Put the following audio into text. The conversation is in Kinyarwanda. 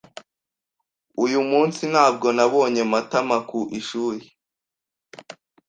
Uyu munsi ntabwo nabonye Matama ku ishuri.